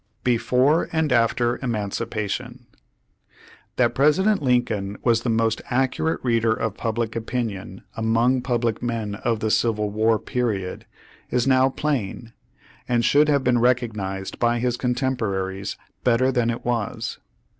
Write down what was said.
BEFORE AND AFTER EMANCIPATION That President Lincoln was the most accurate reader of public opinion among public men of the Civil War period is now plain, and should have been recognized by his cotemporaries better than it was.